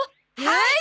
はい！